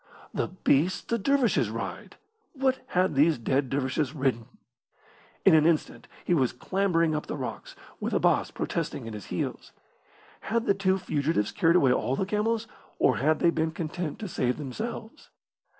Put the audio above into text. The beasts the dervishes ride! What had these dead dervishes ridden? In an instant he was clambering up the rocks, with Abbas protesting at his heels. Had the two fugitives carried away all the camels, or had they been content to save themselves?